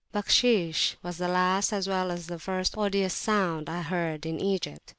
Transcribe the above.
"Bakhshish" was the last as well as the first odious sound I heard in Egypt.